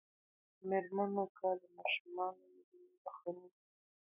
د میرمنو کار د ماشوم ودونو مخه نیسي.